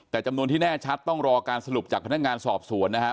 แต่จำนวนที่แน่ชัดต้องรอการสรุปจากพนักงานสอบสวนนะครับ